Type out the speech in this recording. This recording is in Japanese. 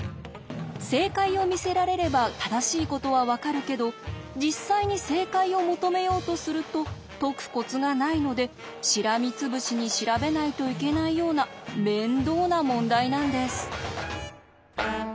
正解を見せられれば正しいことは分かるけど実際に正解を求めようとすると解くコツがないのでしらみつぶしに調べないといけないような面倒な問題なんです。